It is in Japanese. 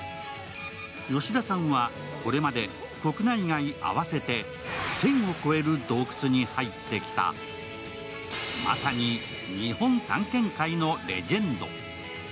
吉田さんは、これまで国内外合わせて１０００を超える洞窟に入ってきたまさに日本探検界のレジェンド。